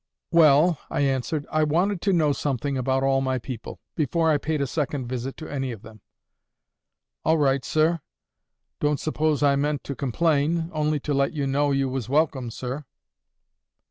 "Well," I answered, "I wanted to know something about all my people, before I paid a second visit to any of them." "All right, sir. Don't suppose I meant to complain. Only to let you know you was welcome, sir."